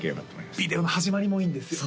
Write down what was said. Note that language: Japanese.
ビデオの始まりもいいんですよね